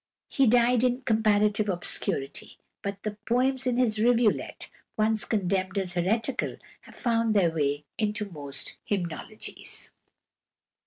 He died in comparative obscurity; but the poems in his "Rivulet," once condemned as heretical, have found their way into most hymnologies.